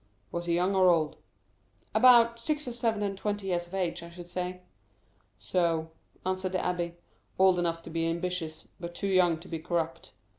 "Was he young or old?" "About six or seven and twenty years of age, I should say." "So," answered the abbé. "Old enough to be ambitious, but too young to be corrupt.